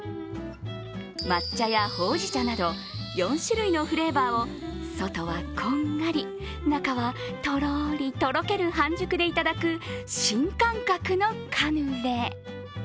抹茶やほうじ茶など４種類のフレーバーを外はこんがり、中はとろりとろける半熟でいただく新感覚のカヌレ。